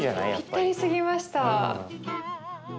ぴったりすぎました。